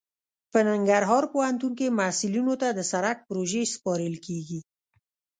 په ننګرهار پوهنتون کې محصلینو ته د سرک پروژې سپارل کیږي